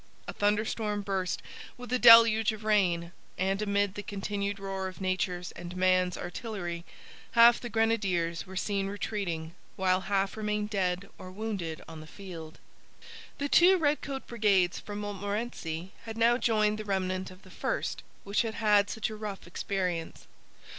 A thunderstorm burst, with a deluge of rain; and, amid the continued roar of nature's and man's artillery, half the grenadiers were seen retreating, while half remained dead or wounded on the field. The two redcoat brigades from Montmorency had now joined the remnant of the first, which had had such a rough experience.